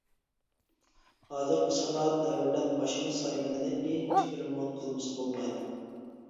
ھازىرقى سانائەت دەۋرىدە ماشىنا سايمىنىنى ئىنچىكە رېمونت قىلمىسا بولمايدۇ.